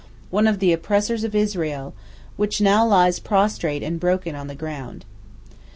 one of the oppressors of Israel, which now lies prostrate and broken on the ground.